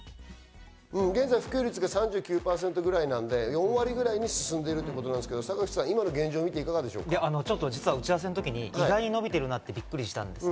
現在、普及率が３９％ぐらいなんで４割ぐらいに進んでいるということですけど、坂口さん。打ち合わせの時に意外に伸びてるなってびっくりしたんです。